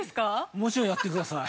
◆もちろん、やってください。